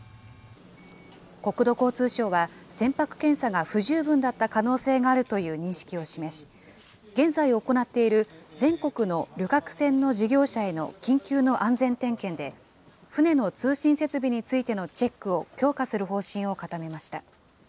国土交通省は、船舶検査が不十分だった可能性があるという認識を示し、現在行っている全国の旅客船の事業者への緊急の安全点検で、船の通信設備についてのチェックを強化する方針を固めました。